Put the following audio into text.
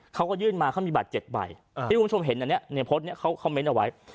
เขาก็ยื่นมาเขามีบัตร๗ใบที่คุณผู้ชมเห็นอันนี้ในโพสต์นี้เขาคอมเมนต์เอาไว้